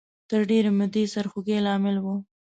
تر ډېرې مودې سرخوږۍ لامل و